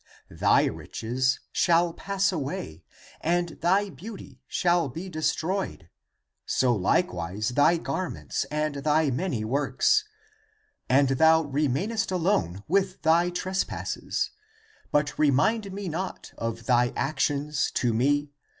Thy riches shall pass away, and thy beauty shall be destroyed, so likewise thy garments and thy many works. And thou remainest alone with thy trespasses. But remind me not of thy actions to me.